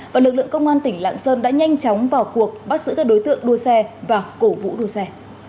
và lực lượng công an tỉnh lạng sơn đã nhanh chóng vào cuộc bắt giữ các đối tượng đua xe và cổ vũ đua xe